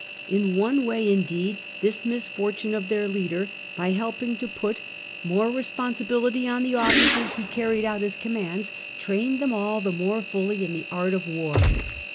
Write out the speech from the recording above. In one way, indeed, this misfortune of their leader, by helping to put more re 170 THE END OF THE MIDDLE AGE sponsibility on the officers who carried out his com mands, trained them all the more fully in the art of war.